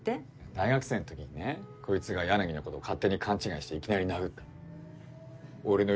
大学生の時にねこいつが柳の事勝手に勘違いしていきなり殴ったんだよ。